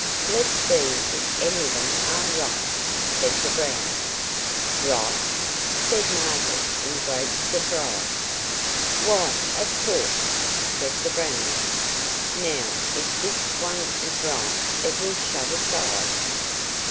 "Let's see if any of them are ripe," said the Brownie. "Ripe?" said Margaret in great surprise. "Why, of course," said the Brownie. "Now if this one is ripe it will shut its eyes."